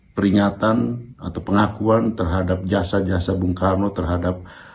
peringatan atau pengakuan terhadap jasa jasa bung karno terhadap